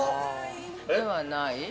ではない？